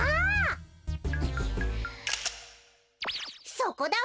そこだわ！